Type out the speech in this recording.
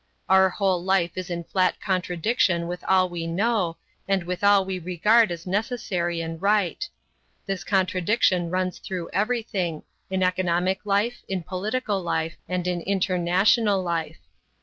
Our whole life is in flat contradiction with all we know, and with all we regard as necessary and right. This contradiction runs through everything, in economic life, in political life, and in international life.